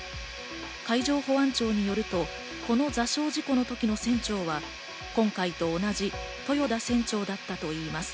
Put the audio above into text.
海上保安庁によると、この座礁事故の時の船長は今回と同じ豊田船長だったといいます。